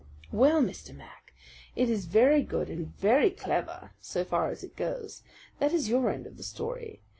"Well, Mr. Mac, it is very good and very clear so far as it goes. That is your end of the story.